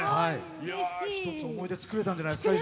一つ思い出作れたんじゃないですか。